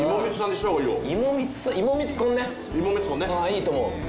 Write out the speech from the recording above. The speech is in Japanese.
いいと思う。